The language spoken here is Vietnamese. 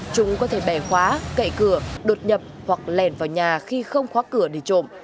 chúng có thể bẻ khóa cậy cửa đột nhập hoặc lèn vào nhà khi không khóa cửa để trộm